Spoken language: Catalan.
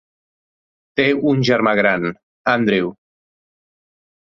Té un germà gran, Andrew.